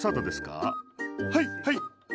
はいはい。